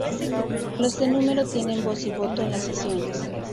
Los de número tienen voz y voto en las sesiones.